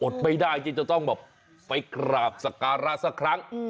อดไปได้จนจะต้องไปกราบศกรรย์สักครั้ง